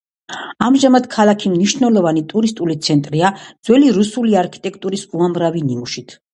ამჟამად ქალაქი მნიშვნელოვანი ტურისტული ცენტრია ძველი რუსული არქიტექტურის უამრავი ნიმუშით.